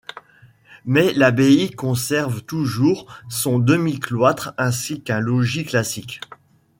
Mais l'abbaye conserve toujours son demi-cloître ainsi qu'un logis classique.